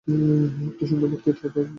একটি সুন্দর বক্তৃতাও সে দিয়াছিল।